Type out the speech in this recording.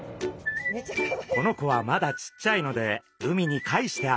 この子はまだちっちゃいので海にかえしてあげます。